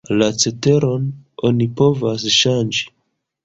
La ceteron oni povas ŝanĝi.